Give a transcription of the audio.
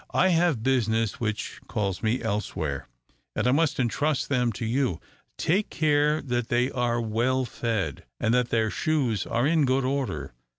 "I have business which calls me elsewhere, and I must entrust them to you. Take care that they are well fed, and that their shoes are in good order.